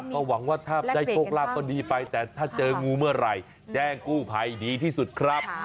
ก็หวังว่าถ้าได้โชคลาภก็ดีไปแต่ถ้าเจองูเมื่อไหร่แจ้งกู้ภัยดีที่สุดครับ